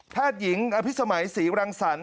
แพทย์หญิงอภิสมัยศรีรังสรรค์